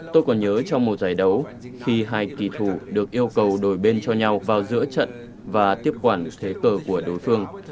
tôi còn nhớ trong một giải đấu khi hai kỳ thủ được yêu cầu đổi bên cho nhau vào giữa trận và tiếp quản thế cờ của đối phương